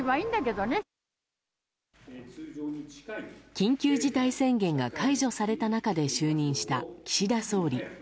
緊急事態宣言が解除された中で就任した岸田総理。